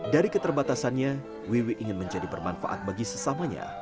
dari keterbatasannya wiwi ingin menjadi bermanfaat bagi sesamanya